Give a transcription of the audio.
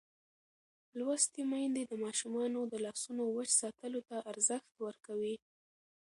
لوستې میندې د ماشومانو د لاسونو وچ ساتلو ته ارزښت ورکوي.